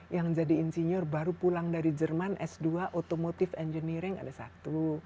yang jadi insinyur baru pulang dari jerman s dua automotive engineering ada satu